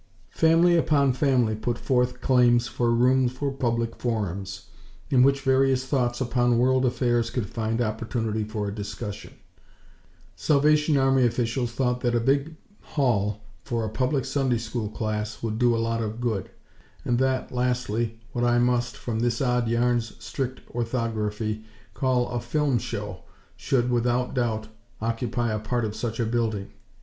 Family upon family put forth claims for rooms for public forums in which various thoughts upon world affairs could find opportunity for discussion; Salvation Army officials thought that a big hall for a public Sunday School class would do a lot of good; and that, lastly, what I must, from this odd yarn's strict orthography, call a "film show," should, without doubt occupy a part of such a building.